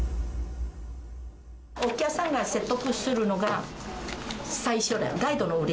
お客さんが説得するのが最初だよ、ガイドの腕。